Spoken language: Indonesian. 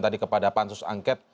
tadi kepada pansus angket